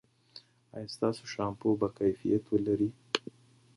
ایا ستاسو شامپو به کیفیت ولري؟